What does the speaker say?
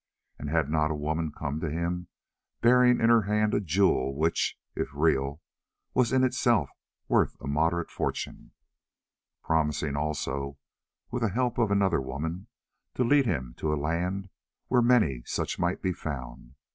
And had not a woman come to him, bearing in her hand a jewel which, if real, was in itself worth a moderate fortune; promising also, with the help of another woman, to lead him to a land where many such might be found?